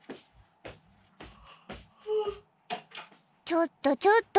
ちょっとちょっと！